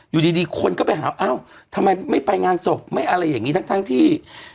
อยู่ดีคนก็ไปหาอ้าวทำไมไม่ไปงานศพไม่อะไรอย่างนี้ทั้งที่